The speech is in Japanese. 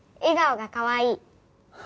笑顔がかわいい。